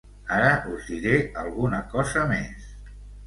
Ara us diré alguna cosa més.